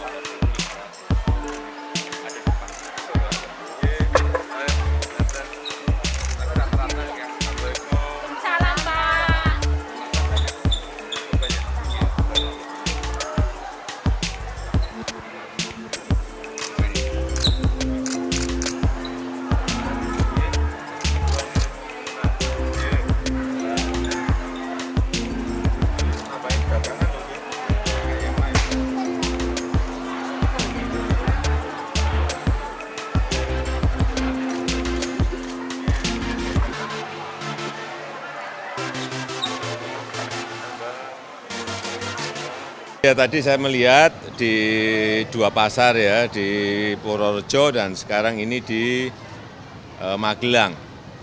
ya tadi saya melihat di dua pasar ya di purworejo dan sekarang ini di magelang